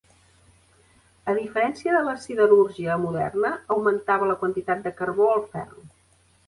A diferència de la siderúrgia moderna, augmentava la quantitat de carbó al ferro.